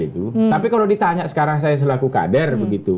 tapi kalau ditanya sekarang saya selaku kader begitu